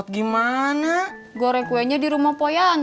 tidak ada apa apa